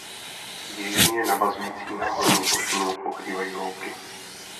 Jižně navazující náhorní plošinu pokrývají louky.